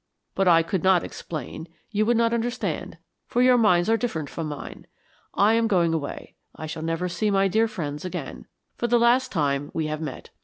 But I could not explain you would not understand, for your minds are different from mine. I am going away; I shall never see my dear friends again for the last time we have met.